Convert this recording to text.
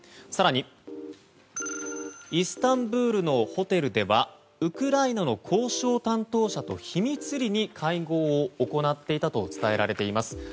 更に、イスタンブールのホテルではウクライナの交渉担当者と秘密裏に会合を行っていたと伝えられています。